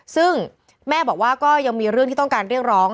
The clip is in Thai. ซึ่งแม่บอกว่าก็ยังมีเรื่องที่ต้องการเรียกร้อง